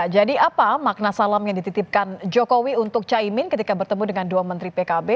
jadi apa makna salam yang dititipkan jokowi untuk caimin ketika bertemu dengan dua menteri pkb